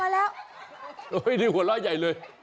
เฮ้ยยยยหัวเราะใหญ่เลย